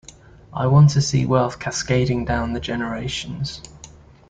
I want to see wealth cascading down the generations.